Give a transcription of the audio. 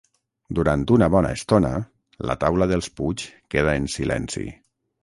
Durant una bona estona la taula dels Puig queda en silenci.